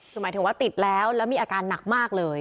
คือหมายถึงว่าติดแล้วแล้วมีอาการหนักมากเลย